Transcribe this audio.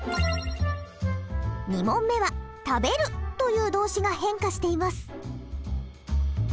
２問目は「食べる」という動詞が変化しています。